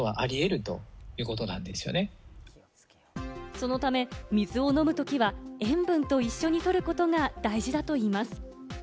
そのため、水を飲むときは塩分と一緒に摂ることが大事だといいます。